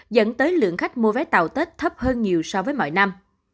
dẫn tới lượng khách mua vé tàu tết thấp hơn nhiều so với mọi năm